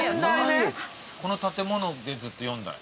この建物でずっと４代？